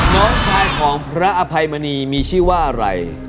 น้องชายของพระอภัยมณีมีชื่อว่าอะไร